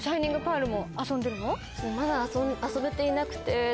まだ遊べていなくて。